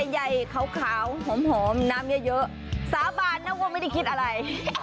ใหญ่ขาวหอมน้ำเยอะสาบานนะว่าไม่ได้คิดอะไร